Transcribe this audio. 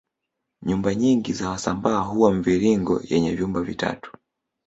Nyumba nyingi za wasambaa huwa mviringo yenye vyumba vitatu